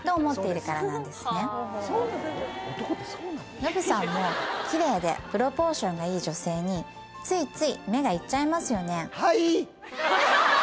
ノブさんもキレイでプロポーションがいい女性についつい目が行っちゃいますよね